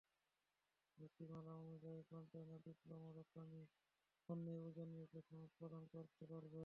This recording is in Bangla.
নীতিমালা অনুযায়ী, কনটেইনার ডিপোগুলো রপ্তানি পণ্যের ওজন মেপে সনদ প্রদান করতে পারবে।